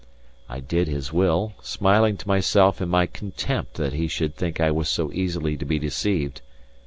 I did his will, smiling to myself in my contempt that he should think I was so easily to be deceived.